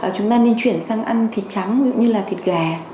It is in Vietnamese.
chúng ta nên chuyển sang ăn thịt trắng ví dụ như là thịt gà